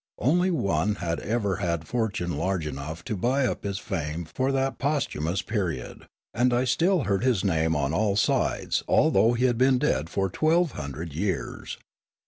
Only one had ever had fortune large enough to buy up his fame for that post humous period ; and I still heard his name on all sides although he had been dead for twelve hundred years.